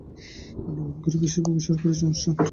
অনুমান করি, বেশির ভাগই হয়তো সরকারি অনুষ্ঠান।